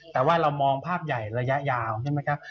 แต่ว่าเรามองภาพใหญ่ระยะยาวใช่ไหมครับ